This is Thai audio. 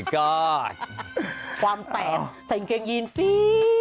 ความแตนใส่เกงยีนฟรี๊